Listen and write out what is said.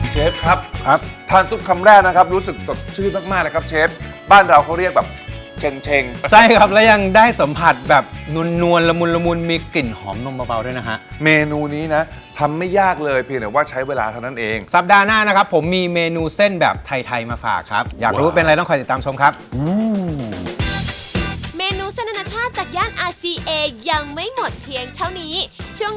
เชฟครับครับทานทุกคำแรกนะครับรู้สึกสดชื่นมากนะครับเชฟบ้านเราเขาเรียกแบบเช็งใช่ครับแล้วยังได้สัมผัสแบบนุนละมุนมีกลิ่นหอมนมเบาด้วยนะฮะเมนูนี้นะทำไม่ยากเลยเพียงแต่ว่าใช้เวลาเท่านั้นเองสัปดาห์หน้านะครับผมมีเมนูเส้นแบบไทยไทยมากเลยนะครับผมมีเมนูเส้นแบบไทยไทยมากเลยนะครับผมม